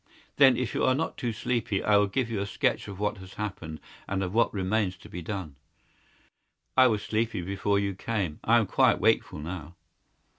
"Then, if you are not too sleepy, I will give you a sketch of what has happened, and of what remains to be done." "I was sleepy before you came. I am quite wakeful now."